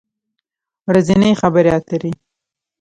ورځنۍ خبری اتری